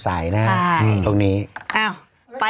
สีวิต้ากับคุณกรนิดหนึ่งดีกว่านะครับแฟนแห่เชียร์หลังเห็นภาพ